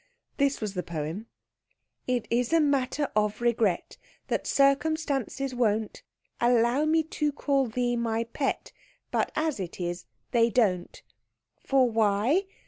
This was the poem: It is a matter of regret That circumstances won't Allow me to call thee my pet, But as it is they don't. For why?